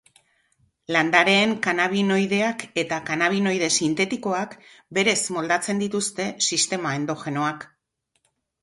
Landareen kannabinoideak eta kanabinoide sintetikoak berez moldatzen dituzte sistema endogenoak.